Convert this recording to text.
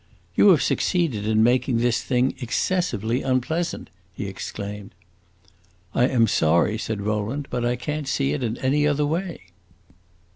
"You have succeeded in making this thing excessively unpleasant!" he exclaimed. "I am sorry," said Rowland, "but I can't see it in any other way."